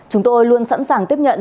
chúng tôi luôn sẵn sàng tiếp nhận